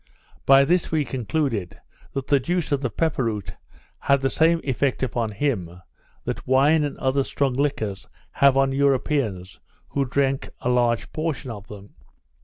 By this we concluded, that the juice of the pepper root had the same effect upon him, that wine and other strong liquors have on Europeans who drink a large portion of them.